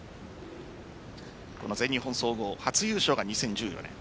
この全日本総合初優勝が２０１４年。